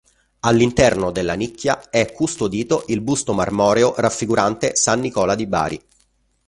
All'interno della nicchia è custodito il busto marmoreo raffigurante "San Nicola di Bari".